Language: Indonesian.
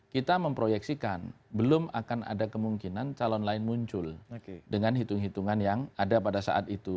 kita memproyeksikan belum akan ada kemungkinan calon lain muncul dengan hitung hitungan yang ada pada saat itu